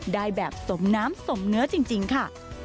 ได้แบบสมน้ำสมเนื้อจริงค่ะ